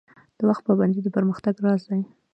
د وخت پابندي د پرمختګ راز دی